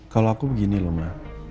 kalau aku begini loh mbak